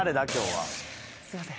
すいません。